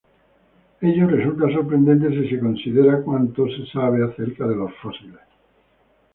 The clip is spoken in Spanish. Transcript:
Ello resulta sorprendente si se considera cuánto se sabe acerca de sus fósiles.